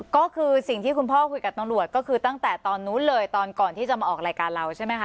ก็คือสิ่งที่คุณพ่อคุยกับตำรวจก็คือตั้งแต่ตอนนู้นเลยตอนก่อนที่จะมาออกรายการเราใช่ไหมคะ